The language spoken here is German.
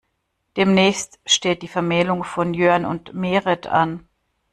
Demnächst steht die Vermählung von Jörn und Merit an.